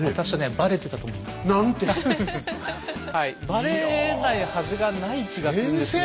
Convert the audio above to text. バレないはずがない気がするんですね。